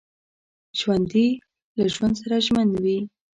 ژوندي له ژوند سره ژمن وي